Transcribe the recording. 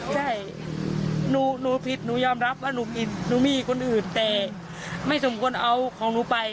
ใช่หนูผิดหนูยอมรับว่าหนูผิดหนูมีคนอื่นแต่ไม่สมควรเอาของหนูไป